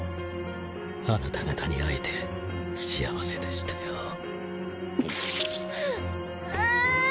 あなた方に会えて幸せでしたよ。